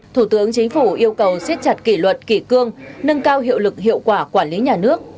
thủ tướng chính phủ yêu cầu siết chặt kỷ luật kỷ cương nâng cao hiệu lực hiệu quả quản lý nhà nước